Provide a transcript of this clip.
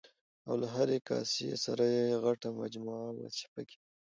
او له هرې کاسې سره یوه غټه مجمه وه چې پکې